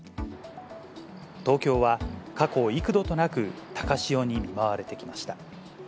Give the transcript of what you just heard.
東京は過去、幾度となく高潮に見舞われてきました。